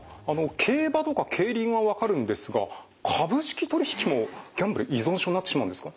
競馬とか競輪は分かるんですが株式取引もギャンブル依存症になってしまうんですか？